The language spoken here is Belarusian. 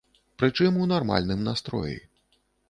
Прычым у нармальным настроі.